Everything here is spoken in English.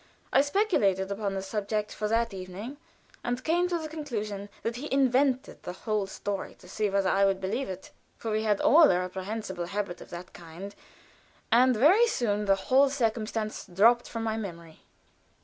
I speculated upon the subject for that evening, and came to the conclusion that he had invented the whole story, to see whether I would believe it (for we had all a reprehensible habit of that kind), and very soon the whole circumstance dropped from my memory.